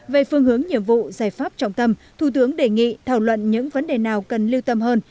về phương hướng nhiệm vụ giải pháp trọng tâm thủ tướng đề nghị thảo luận những vấn đề nào cần lưu tâm hơn